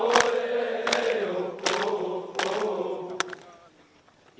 oleh lele uh uh uh